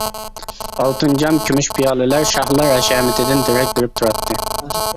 ئالتۇن جام، كۈمۈش پىيالىلەر شاھلار ھەشەمىتىدىن دېرەك بېرىپ تۇراتتى.